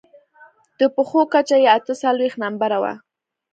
د پښو کچه يې اته څلوېښت نمبره وه.